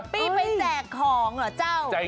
ปี้ไปแจกของเหรอเจ้า